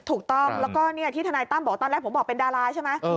ถูกต้องแล้วก็ที่ทนายตั้มบอกตอนแรกผมบอกเป็นดาราใช่ไหม